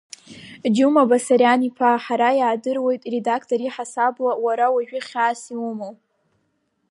Џьума Басариан-иԥа, ҳара иаадыруеит, редакторк иаҳасабала, уара уажәы хьаас иумоу.